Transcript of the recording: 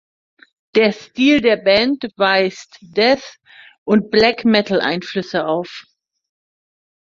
Der Stil der Band weist Death- und Black-Metal-Einflüsse auf.